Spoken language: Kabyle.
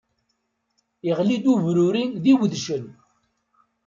Iɣli-d ubruri d iwedcen.